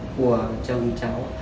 của chồng cháu